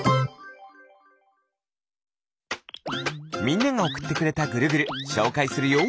みんながおくってくれたぐるぐるしょうかいするよ。